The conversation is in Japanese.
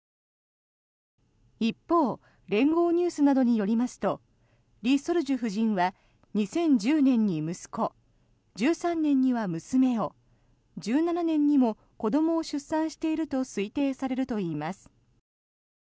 一方連合ニュースなどによりますと李雪主夫人は２０１０年に息子１３年には娘を１７年にも子どもを出産していると推定されるといいます。